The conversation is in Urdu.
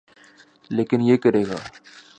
لیکن یہ کرے گا۔